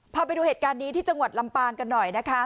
พาไปดูเหตุการณ์นี้ที่จังหวัดลำปางกันหน่อยนะคะ